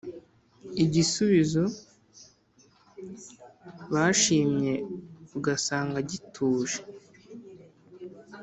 Igisubizo bashimye Ugasanga gituje